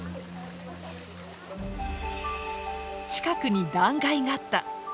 近くに断崖があった。